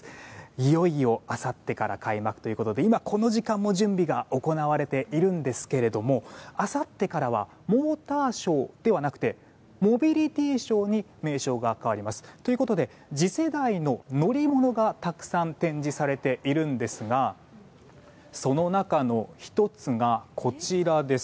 いよいよあさってから開幕ということで今、この時間も準備が行われているんですけれどもあさってからはモーターショーではなくてモビリティショーに名称が変わります。ということで次世代の乗り物がたくさん展示されているんですがその中の１つがこちらです。